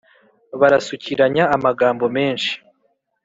Barasukiranya amagambo menshi